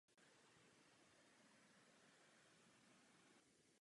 Rozhodně se zajet do svého rodného města v Arizoně.